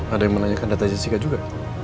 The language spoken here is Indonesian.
ada yang menanyakan data jessica juga